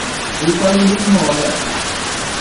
Вы палили много!